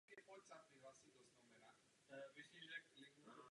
Kvůli fiskální situaci v Delaware.